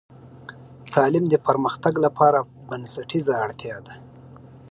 تعلیم د پرمختګ لپاره بنسټیزه اړتیا ده.